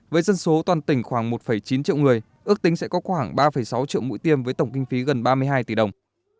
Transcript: với dân số toàn tỉnh khoảng một chín triệu người ước tính sẽ có khoảng ba sáu triệu mũi tiêm với tổng kinh phí gần ba mươi hai tỷ đồng